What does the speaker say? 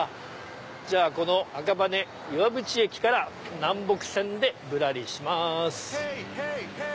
じゃあこの赤羽岩淵駅から南北線でぶらりします。